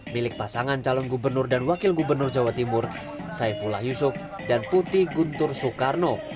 milik pasangan calon gubernur dan wakil gubernur jawa timur saifullah yusuf dan putih guntur soekarno